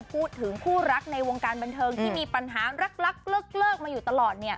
พูดถึงคู่รักในวงการบันเทิงที่มีปัญหารักเลิกมาอยู่ตลอด